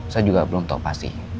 saya juga belum tahu pasti